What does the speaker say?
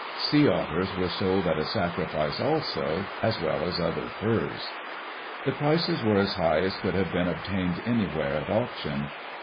Sea otters were sold at a sacrifice also, as well as other furs. The prices were as high as could have been obtained anywhere at auction.